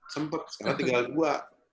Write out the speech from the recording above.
sempet sekarang tiga lagi dua